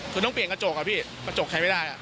คือต้องเปลี่ยนกระจกอะพี่กระจกใครไม่ได้